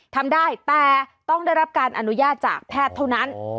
ทำได้แต่ต้องได้รับการอนุญาตจากแพทย์เท่านั้น